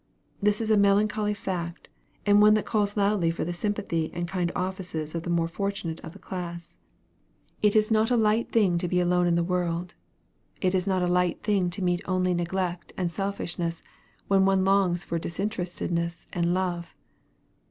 This is a melancholy fact, and one that calls loudly for the sympathy and kind offices of the more fortunate of the class. It is not a light thing to be alone in the world. It is not a light thing to meet only neglect and selfishness, when one longs for disinterestedness and love.